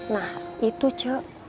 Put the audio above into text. nah itu cek